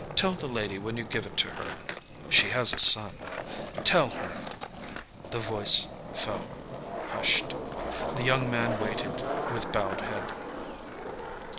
Tell the lady when you give it her ... she has a son.... Tell her...." The voice fell hushed. The young man waited, with bowed head.